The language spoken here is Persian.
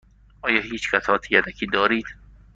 آیا هیچ قطعات یدکی دارید؟